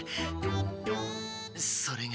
それが。